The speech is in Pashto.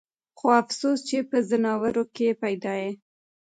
خو افسوس چې پۀ ځناورو کښې پېدا ئې